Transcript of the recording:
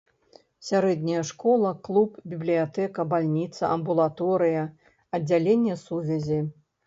Сярэдняя школа, клуб, бібліятэка, бальніца, амбулаторыя, аддзяленне сувязі.